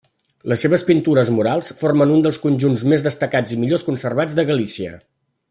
Les seves pintures murals formen un dels conjunts més destacats i millor conservats de Galícia.